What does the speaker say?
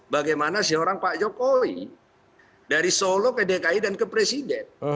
bagaimana seorang pak jokowi dari solo ke dki dan ke presiden